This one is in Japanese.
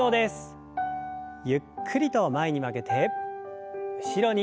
ゆっくりと前に曲げて後ろに。